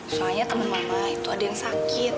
soalnya teman mama itu ada yang sakit